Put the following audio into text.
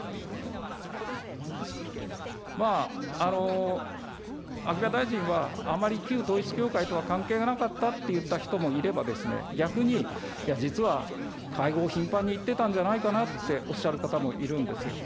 まあ、秋葉大臣は、あまり旧統一教会とは関係がなかったって言う人もいれば、逆に、いや、実は会合、頻繁に行ってたんじゃないかなって、おっしゃる方もいるんですよ。